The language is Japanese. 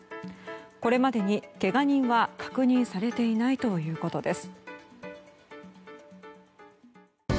これまでにけが人は確認されていないということです。